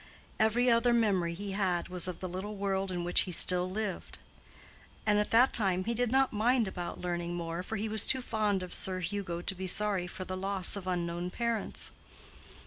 Every other memory he had was of the little world in which he still lived. And at that time he did not mind about learning more, for he was too fond of Sir Hugo to be sorry for the loss of unknown parents.